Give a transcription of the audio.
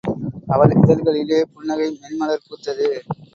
அவள் இதழ்களிலே புன்னகை மென்மலர் பூத்தது.